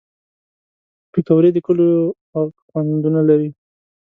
پکورې د کلیو خوږ خوندونه لري